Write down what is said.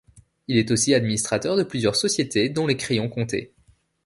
Il est aussi administrateur de plusieurs sociétés, dont les crayons Conté.